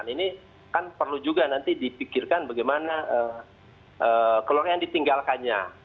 ini kan perlu juga nanti dipikirkan bagaimana keluarga yang ditinggalkannya